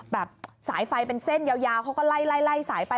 สายไฟเป็นเส้นยาวเขาก็ไล่สายไป